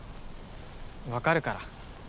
分かるから。